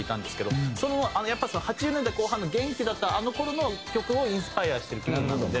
そのやっぱり８０年代後半の元気だったあの頃の曲をインスパイアしている曲なので。